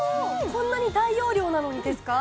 こんなに大容量なのにですか？